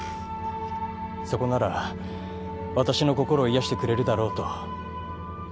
そこなら私の心を癒やしてくれるだろうと。